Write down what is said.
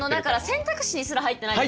選択肢にすら入ってないですもんね。